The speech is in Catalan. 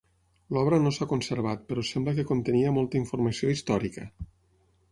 L'obra no s'ha conservat, però sembla que contenia molta informació històrica.